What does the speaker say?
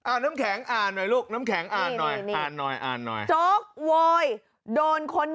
อ่ะหน้ำแข็งอ่านหน่อยลูกหน้ำแข็งอ่านหน่อย